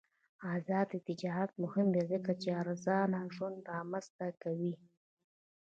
آزاد تجارت مهم دی ځکه چې ارزان ژوند رامنځته کوي.